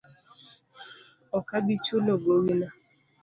Ok abi chulo gowi no